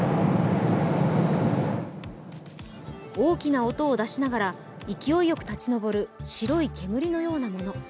大きな音を出しながら勢いよく立ち上る白い煙のようなもの。